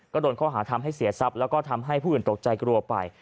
ก็โดนข้อหาทำให้เสียทรัพย์แล้วก็ทำให้ผู้อื่นตกใจกลัวไป